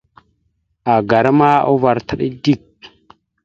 Agara ma uvar ataɗá dik.